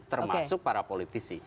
termasuk para politisi